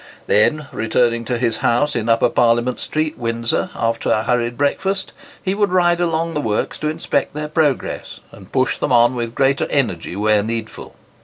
Then, returning to his house, in Upper Parliament Street, Windsor, after a hurried breakfast, he would ride along the works to inspect their progress, and push them on with greater energy where needful.